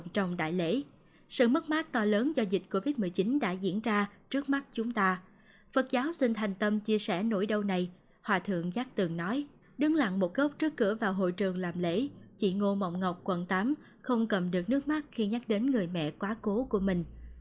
trước cửa vào hội trường làm lễ chị ngô mọng ngọc quận tám không cầm được nước mắt khi nhắc đến người mẹ quá cố của mình